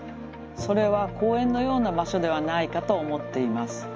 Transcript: それは公園のような場所ではないかと思っています。